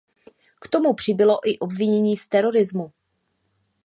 K tomu přibylo i obvinění z terorismu.